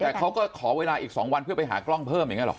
แต่เขาก็ขอเวลาอีก๒วันเพื่อไปหากล้องเพิ่มอย่างนี้หรอ